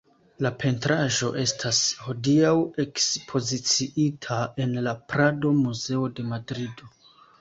La pentraĵo estas hodiaŭ ekspoziciita en la Prado-Muzeo de Madrido.